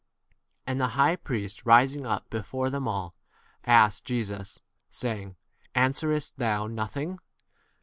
And the high priest, rising up before them all, asked Jesus, saying, Answerest thou nothing